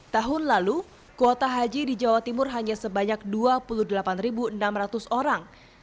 tahun lalu kuota haji di jawa timur hanya sebanyak dua puluh delapan enam ratus orang